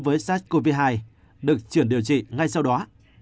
với sars cov hai được chuyển điều trị ngay sau đó